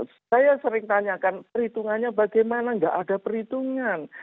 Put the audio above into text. saya sering tanyakan perhitungannya bagaimana nggak ada perhitungan